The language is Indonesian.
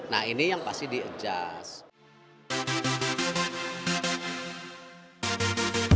nah ini yang pasti di adjust